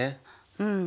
うん。